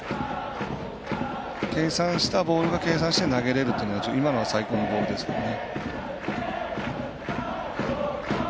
計算したボールが計算して投げれるというのが今のが最高のボールですね。